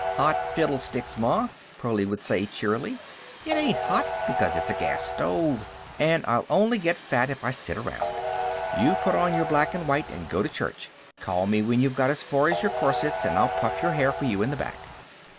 "Hot fiddlesticks, ma," Pearlie would say, cheerily. "It ain't hot, because it's a gas stove. And I'll only get fat if I sit around. You put on your black and white and go to church. Call me when you've got as far as your corsets, and I'll puff your hair for you in the back."